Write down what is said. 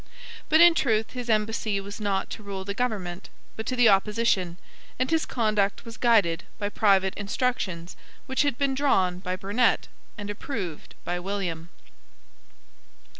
But in truth his embassy was not to the government, but to the opposition; and his conduct was guided by private instructions which had been drawn by Burnet, and approved by William.